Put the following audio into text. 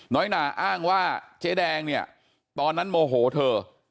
หนาอ้างว่าเจ๊แดงเนี่ยตอนนั้นโมโหเธอ